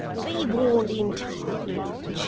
Be warned in time, G.